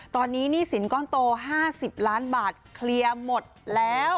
ตอนนี้หนี้สินก้อนโต๕๐ล้านบาทเคลียร์หมดแล้ว